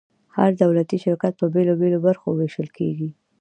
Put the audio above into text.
هر دولتي شرکت په بیلو بیلو برخو ویشل کیږي.